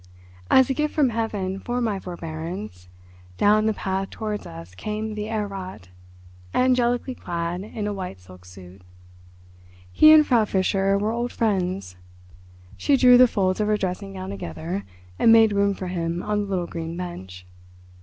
As a gift from heaven for my forbearance, down the path towards us came the Herr Rat, angelically clad in a white silk suit. He and Frau Fischer were old friends. She drew the folds of her dressing gown together, and made room for him on the little green bench.